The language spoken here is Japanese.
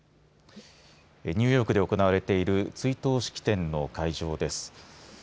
ニューヨークで行われている追悼式典の会場です。